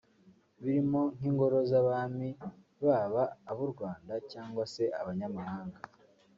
birimo nk’ingoro z’abami baba ab’u Rwanda cyangwa se abanyamahanga